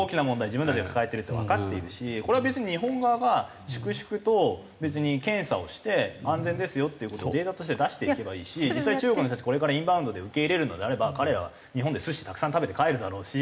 自分たちが抱えてるってわかっているしこれは別に日本側が粛々と別に検査をして安全ですよっていう事をデータとして出していけばいいし実際中国の人たちこれからインバウンドで受け入れるのであれば彼らは日本で寿司たくさん食べて帰るだろうし。